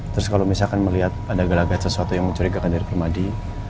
terus kalau misalkan melihat ada gelagat sesuatu yang mencurigakan dari permadi